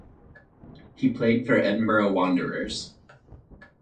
He played for Edinburgh Wanderers.